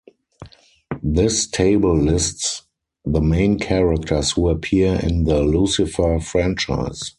This table lists the main characters who appear in the Lucifer Franchise.